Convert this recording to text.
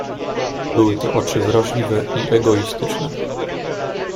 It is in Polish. "Były to oczy wrażliwe i egoistyczne."